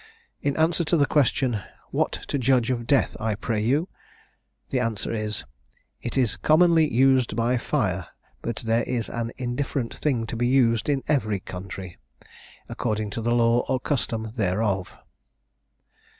In answer to the question, "What to judge of deathe, I pray you?" The answer is, "It is commonlie used by fyre, but there is an indifferent thing to be used in every country, according to the law or custume thereof."